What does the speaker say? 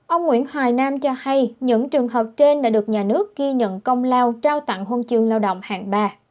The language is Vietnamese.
ông nguyễn hoài nam cho hay những trường hợp trên đã được nhà nước ghi nhận công lao trao tặng huân chương lao động hạng ba